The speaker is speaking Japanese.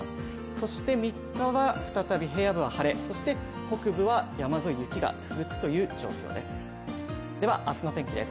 そして３日は再び平野部は晴れ、そして北部は山沿い、雪が続くという状況です。